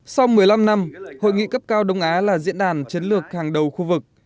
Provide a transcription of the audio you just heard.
sau một mươi năm năm hội nghị cấp cao đông á là diễn đàn chiến lược hàng đầu khu vực